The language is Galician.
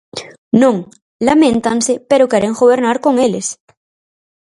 ¡Non!, laméntanse pero queren gobernar con eles.